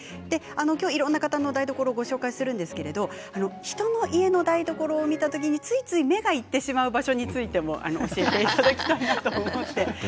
今日、いろんな方の台所をご紹介するんですけども人の家の台所を見た時についつい目がいってしまうところについても教えていただきたいなと思います。